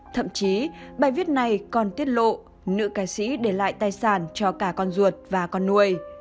thậm chí bài viết này còn tiết lộ nữ ca sĩ để lại tài sản cho cả con ruột và con nuôi